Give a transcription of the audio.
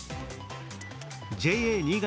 ＪＡ新潟